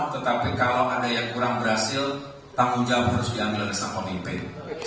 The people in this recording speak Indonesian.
tetapi kalau ada yang kurang berhasil tanggung jawab harus diambil oleh sang pemimpin